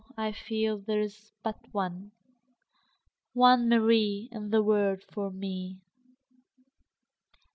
I feel there is but one, One Mary in the world for me.